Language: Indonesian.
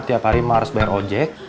tiap hari harus bayar ojek